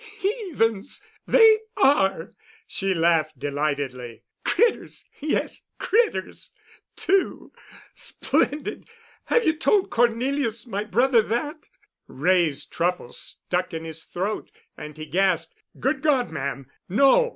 "Heathens! They are," she laughed delightedly. "Critters—yes, critters, too. Splendid! Have you told Cornelius—my brother—that?" Wray's truffle stuck in his throat and he gasped, "Good God, ma'am! No.